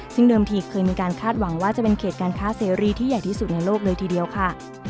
ซึ่งเดิมทีเคยมีการคาดหวังว่าจะเป็นเขตการค้าเสรีที่ใหญ่ที่สุดในโลกเลยทีเดียวค่ะ